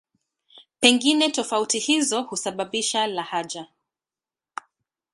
Pengine tofauti hizo husababisha lahaja.